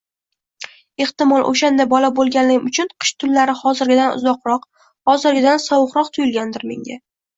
Ehtimol, oʻshanda bola boʻlganim uchun qish tunlari hozirgidan uzoqroq, hozirgidan sovuqroq tuyilgandir menga!